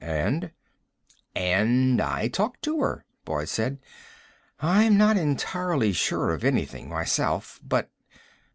"And?" "And I talked to her," Boyd said. "I'm not entirely sure of anything myself. But